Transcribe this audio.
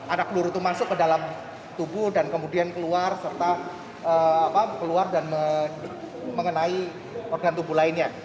anak peluru itu masuk ke dalam tubuh dan kemudian keluar serta keluar dan mengenai organ tubuh lainnya